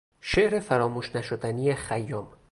شعر فراموش نشدنی خیام